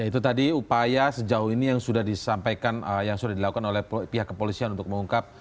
itu tadi upaya sejauh ini yang sudah disampaikan yang sudah dilakukan oleh pihak kepolisian untuk mengungkap